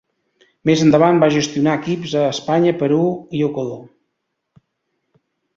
Més endavant, va gestionar equips a Espanya, Perú i Equador.